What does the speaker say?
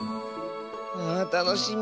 あたのしみ。